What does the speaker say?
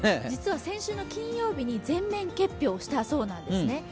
実は先週の金曜日に全面結氷したそうなんですね。